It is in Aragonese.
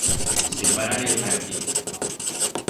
Se para n'el branquil.